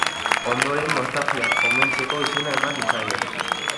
Ondoren Nostalgia omentzeko izena eman zitzaion.